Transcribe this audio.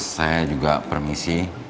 saya juga permisi